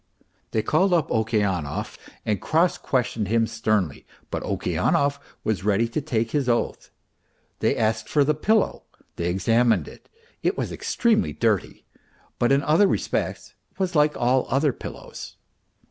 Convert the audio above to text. They called up Okeanov and cross questioned him sternly; but Okeanov was ready to take his oath. They asked for the pillow, they examined it ; it was extremely dirty, but in other respects it was like all other pillows.